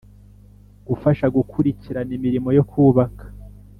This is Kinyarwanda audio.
Gufasha gukurikirana imirimo yo kubaka